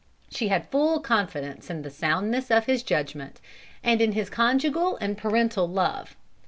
She had full confidence in the soundness of his judgment, and in his conjugal and parental love.